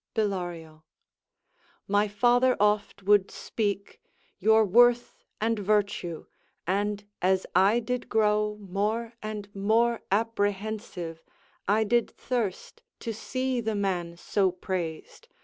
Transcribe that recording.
Bellario My father oft would speak Your worth and virtue; and as I did grow More and more apprehensive, I did thirst To see the man so praised.